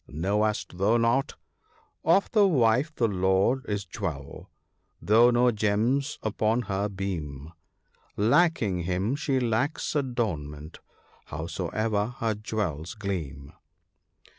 Knowest thou not —" Of the wife the lord is jewel, though no gems upon her beam ; Lacking him, she lacks adornment, howsoe'er her jewels gleam